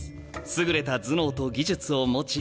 優れた頭脳と技術を持ち